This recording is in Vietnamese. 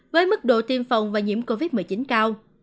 với mức độ tiêm phòng và nhiễm covid một mươi chín cao